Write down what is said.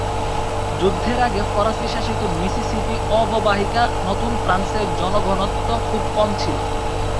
যুদ্ধের আগে ফরাসী শাসিত মিসিসিপি অববাহিকা/নতুন ফ্রান্স-এ জনঘনত্ব খুব কম ছিল।